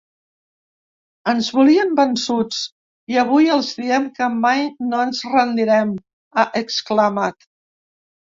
Ens volien vençuts i avui els diem que mai no ens rendirem, ha exclamat.